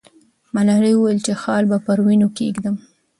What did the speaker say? ملالۍ وویل چې خال به پر وینو کښېږدم.